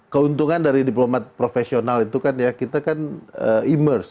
keuntungan dari diplomat profesional itu kan kita kan immerse